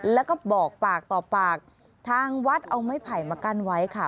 แล้วก็บอกปากต่อปากทางวัดเอาไม้ไผ่มากั้นไว้ค่ะ